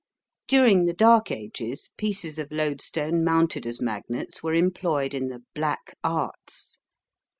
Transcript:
During the dark ages pieces of Lodestone mounted as magnets were employed in the "black arts."